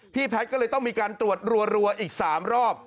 แพทย์ก็เลยต้องมีการตรวจรัวอีก๓รอบ